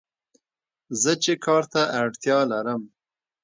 زه چې کار ته اړتیا لرم